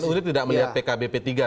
nu ini tidak melihat pkb p tiga begitu ya